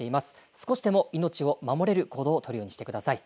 少しでも命を守れる行動を取るようにしてください。